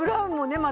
また。